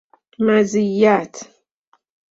مزیت